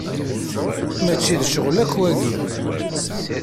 Mačči d ccɣel akk wagi.